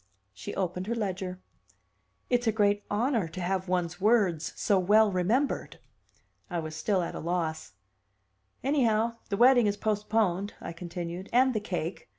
She opened her ledger. "It's a great honor to have one's words so well remembered." I was still at a loss. "Anyhow, the wedding is postponed," I continued; "and the cake.